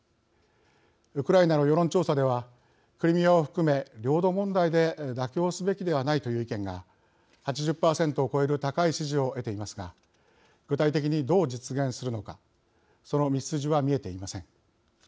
ウクライナの世論調査ではクリミアを含め、領土問題で妥協すべきではないという意見が８０％を超える高い支持を得ていますが具体的にどう実現するのかその道筋は見えていません。